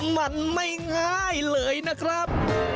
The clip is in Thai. มันไม่ง่ายเลยนะครับ